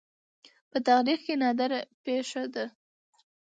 دا په تاریخ کې نادره پېښه ده